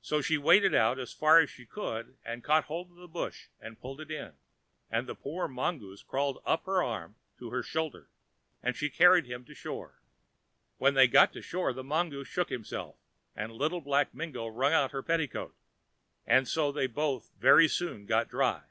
So she waded out as far as she could, and caught hold of the bush and pulled it in, and the poor mongoose crawled up her arm on to her shoulder, and she carried him to shore. When they got to shore the mongoose shook himself, and Little Black Mingo wrung out her petticoat, and so they both very soon got dry.